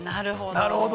◆なるほど。